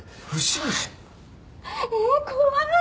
えっ怖い！